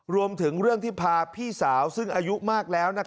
รวมถึงเรื่องที่พาพี่สาวซึ่งอายุมากแล้ว